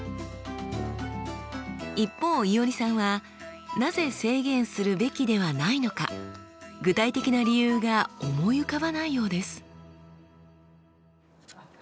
一方いおりさんはなぜ制限するべきではないのか具体的な理由が思い浮かばないようです。